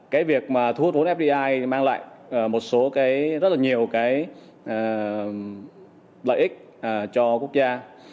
cái việc mà thu hút vốn fdi mang lại một số cái rất là nhiều cái lợi ích cho quốc gia